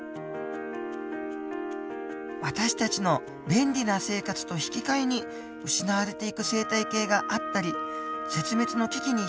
私たちの便利な生活と引き換えに失われていく生態系があったり絶滅の危機にひんする